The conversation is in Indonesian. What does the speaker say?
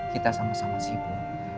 kita sama sama sibuk